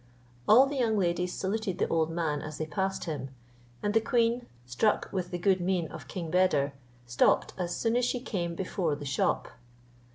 All the young ladies saluted the old man as they passed him; and the queen, struck with the good mien of King Beder, stopped as soon as she came before the shop.